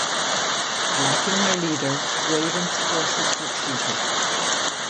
Lacking their leader, Grayven's forces retreated.